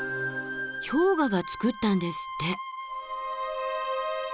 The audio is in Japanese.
氷河がつくったんですって。